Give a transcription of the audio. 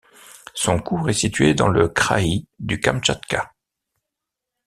Son cours est situé dans le kraï du Kamtchatka.